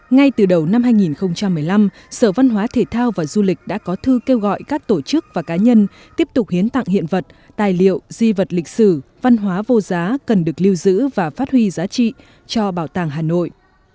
ngay từ đầu năm hai nghìn một mươi năm sở văn hóa thể thao và du lịch đã có thư kêu gọi các tổ chức và cá nhân tiếp tục hiến tặng hiện vật tài liệu di vật lịch sử văn hóa vô giá cần được lưu giữ và phát huy giá trị cho bảo tàng hà nội